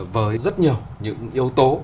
với rất nhiều những yếu tố